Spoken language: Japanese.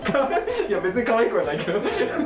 いや別にかわいくはないけど。